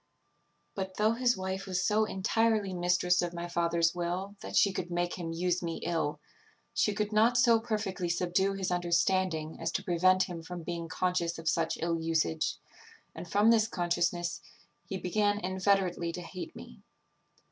"But, though his wife was so entirely mistress of my father's will that she could make him use me ill, she could not so perfectly subdue his understanding as to prevent him from being conscious of such ill usage; and from this consciousness, he began inveterately to hate me.